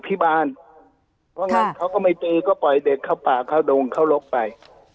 เพราะงั้นเขาก็ไม่ได้เลือกก็ปล่อยเด็กเข้าป่าเข้าโดงเข้ารกไป